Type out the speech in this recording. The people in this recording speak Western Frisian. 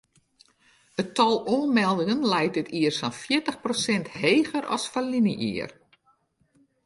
It tal oanmeldingen leit dit jier sa'n fjirtich prosint heger as ferline jier.